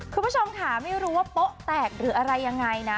คุณผู้ชมค่ะไม่รู้ว่าโป๊ะแตกหรืออะไรยังไงนะ